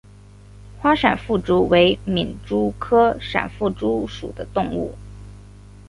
花闪腹蛛为皿蛛科闪腹蛛属的动物。